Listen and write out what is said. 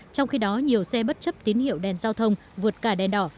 trong khi đó nhiều xe bất chấp tín hiệu đèn giao thông vượt cả đèn đỏ